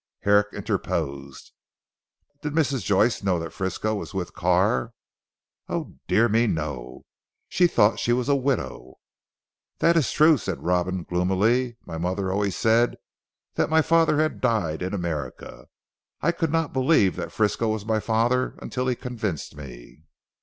Herrick interposed. "Did Mrs. Joyce know that Frisco was with Carr?" "Oh, dear me no. She thought she was a widow." "That is true," said Robin gloomily, "my mother always said that my father had died in America. I could not believe that Frisco was my father until he convinced me."